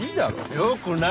よくない。